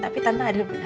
tapi tante adil benarnya